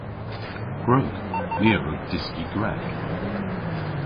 Gwrug. My a wrug dyski Grek.